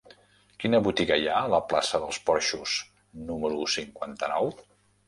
Quina botiga hi ha a la plaça dels Porxos número cinquanta-nou?